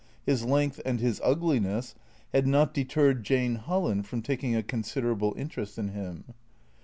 His length and his ugliness had not deterred Jane Holland from taking a considerable interest in him.